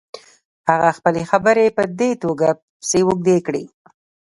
هغه خپلې خبرې په دې توګه پسې اوږدې کړې.